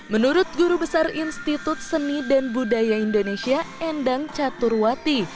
menurut guru besar institut seni dan budaya indonesia endang caturwati